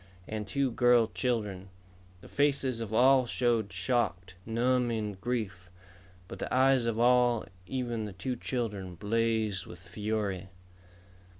And two girl children. The faces of all showed shocked, numbing grief. But the eyes of all, even the two children, blazed with fury.